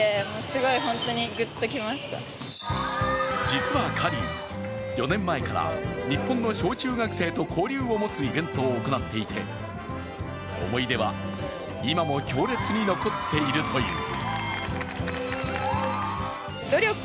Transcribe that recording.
実はカリー、４年前から日本の小中学生と交流を持つイベントを行っていて思い出は今も強烈に残っているという。